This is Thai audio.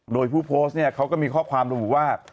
โดยผู้โพสต์เขาก็มีข้อความรู้ว่า